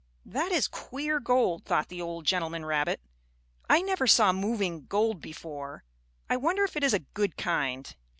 "That is queer gold," thought the old gentleman rabbit. "I never saw moving gold before. I wonder if it is a good kind."